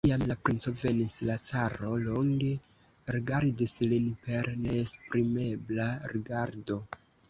Kiam la princo venis, la caro longe rigardis lin per neesprimebla rigardo.